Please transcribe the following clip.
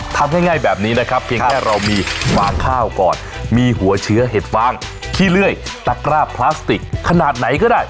ทำง่ายแบบนี้นะครับเพียงแค่เรามีวางข้าวก่อนมีหัวเชื้อเห็ดฟางขี้เลื่อยตะกร้าพลาสติกขนาดไหนก็ได้